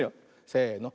せの。